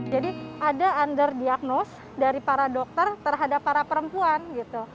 jadi ada underdiagnose dari para dokter terhadap para perempuan gitu